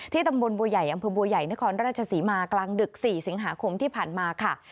ตำบลบัวใหญ่อำเภอบัวใหญ่นครราชศรีมากลางดึก๔สิงหาคมที่ผ่านมาค่ะ